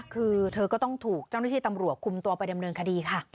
คือเธอก็ต้องถูกเจ้าหน้าที่ตำรวจคุมตัวไปดำเนินคดีค่ะ